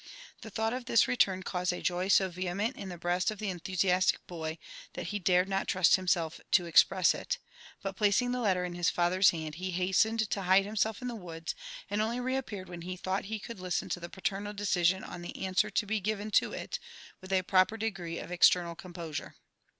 The thought of this return caused a joy 80 yehoment in the breast of the enthusiastic boy, that he dared not trust himself to eiq[)ress it; but, placing the letter in his father's hand, he hastened to hide himself in the woods, and only reappeared when he thought he could listen to the paternal decision on the answer to be given to it, with a proper degree of external composure.